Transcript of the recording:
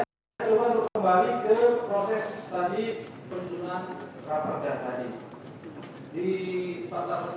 bahkan rapada tentang jurnasi itu sudah tinggal tetap baru